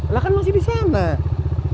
lah kan masih bisa mbak